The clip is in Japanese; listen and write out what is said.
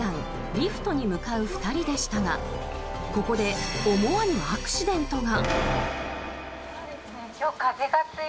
リフトに向かう２人でしたがここで思わぬアクシデントが。